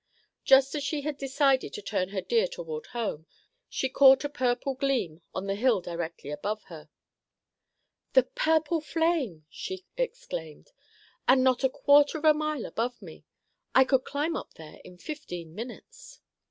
Just as she had decided to turn her deer toward home, she caught a purple gleam on the hill directly above her. "The purple flame!" she exclaimed. "And not a quarter of a mile above me. I could climb up there in fifteen minutes."